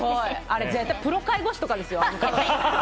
あれ、絶対プロ介護士とかですよ。